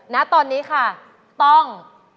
ณตอนนี้ค่ะต้อง